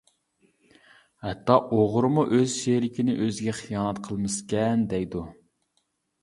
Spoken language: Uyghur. ھەتتا ئوغرىمۇ ئۆز شېرىكىنى ئۆزىگە خىيانەت قىلمىسىكەن دەيدۇ.